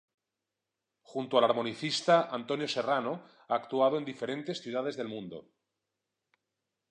Junto al armonicista Antonio Serrano, ha actuado en diferentes ciudades del mundo.